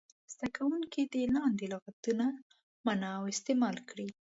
زده کوونکي دې لاندې لغتونه معنا او استعمال کړي.